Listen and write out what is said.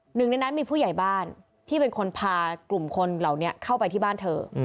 หนึ่งในนั้นมีผู้ใหญ่บ้านที่เป็นคนพากลุ่มคนเหล่านี้เข้าไปที่บ้านเธอ